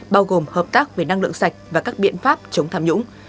bao gồm hợp tác về năng lượng sạch và các biện pháp chống tham nhũng